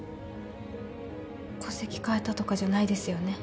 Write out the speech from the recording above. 戸籍変えたとかじゃないですよね？